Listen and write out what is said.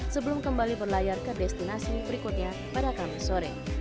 sebelum kembali berlayar ke destinasi berikutnya pada kamis sore